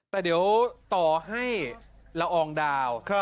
แต่เดี๋ยวต่อให้ละอองดาว